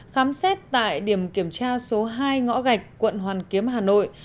khám xét tại điểm kiểm tra số hai ngõ gạch quận hoàn kiếm hà nội